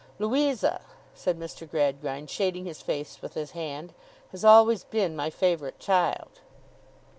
Louisa,' said Mr. Gradgrind, shading his face with his hand, 'has always been my favourite child.